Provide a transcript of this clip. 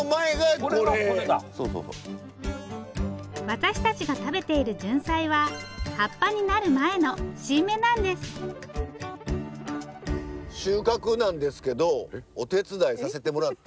私たちが食べているじゅんさいは葉っぱになる前の新芽なんです収穫なんですけどお手伝いさせてもらって。